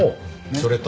それと。